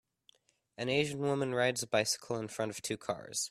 An Asian woman rides a bicycle in front of two cars.